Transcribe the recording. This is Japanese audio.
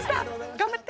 頑張って！